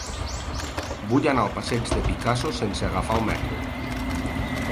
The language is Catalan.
Vull anar al passeig de Picasso sense agafar el metro.